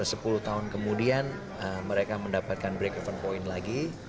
sepuluh tahun kemudian mereka mendapatkan break even point lagi